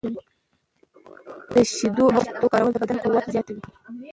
د شیدو او مستو کارول د بدن قوت زیاتوي.